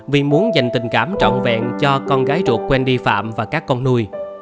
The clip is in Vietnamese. vì muốn dành tình cảm trọn vẹn cho con gái ruột wendy phạm và các con nuôi